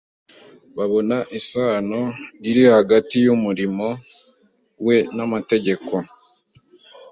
Babona isano iri hagati y’umurimo we n’amategeko,